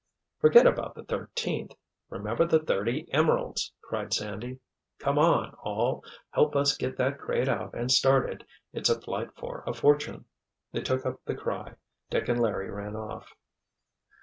"Forget about the thirteenth—remember the thirty emeralds!" cried Sandy. "Come on, all—help us get that crate out and started. It's a flight for a fortune!" They took up the cry. Dick and Larry ran off.